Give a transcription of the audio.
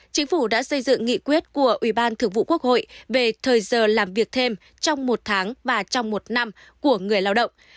chính phủ đã xây dựng nghị quyết của ubth về thời giờ làm việc thêm trong một tháng và trong một năm của người lao động